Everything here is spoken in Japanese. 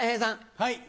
はい。